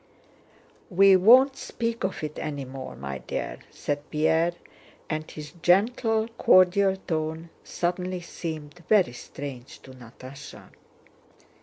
"We won't speak of it any more, my dear," said Pierre, and his gentle, cordial tone suddenly seemed very strange to Natásha.